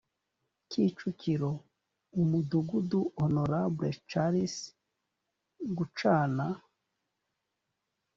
kicukiro umudugudu honorable charles gucana